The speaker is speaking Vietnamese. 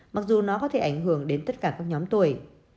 mặc dù nó có thể ảnh hưởng đến tất cả các nhóm tuổi